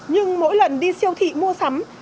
nhưng mỗi lần đi siêu thị mua sắm